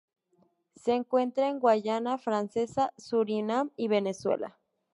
Se encuentra en Guayana Francesa, Surinam y Venezuela.